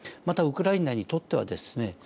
またウクライナにとってはですね